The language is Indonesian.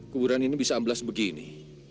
kuburan ini bisa amblas begini